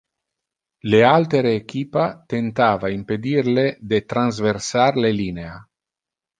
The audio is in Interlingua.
Le altere equipa tentava impedir le de transversar le linea.